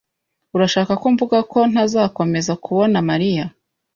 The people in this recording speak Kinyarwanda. Urashaka ko mvuga ko ntazakomeza kubona Mariya?